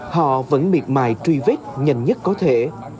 họ vẫn miệt mài truy vết nhanh nhất có thể